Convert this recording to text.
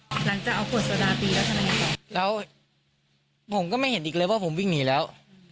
หลังจากเอาขวดโซดาตีแล้วทำยังไงแล้วผมก็ไม่เห็นอีกเลยว่าผมวิ่งหนีแล้ว